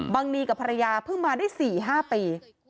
นีกับภรรยาเพิ่งมาได้๔๕ปี